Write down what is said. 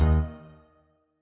emanya udah pulang kok